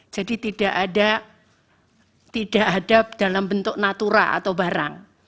jadi tidak ada dalam bentuk natura atau barang